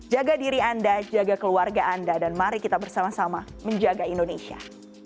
jaga diri anda jaga keluarga anda dan mari kita bersama sama menjaga indonesia